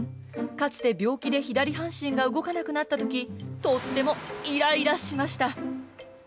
かつて病気で左半身が動かなくなったときとってもいらいらしました。